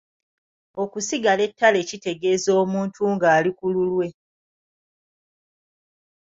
Okusigala ettale kitegeeza omuntu ng'ali ku lulwe.